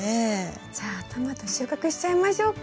じゃあトマト収穫しちゃいましょうか。